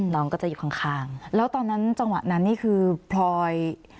น้องก็จะอยู่ข้างแล้วตอนนั้นจังหวะนั้นนี่คือพลอย